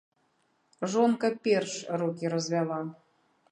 Жонка перш рукі развяла.